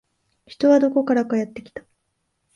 人はどこからかやってきた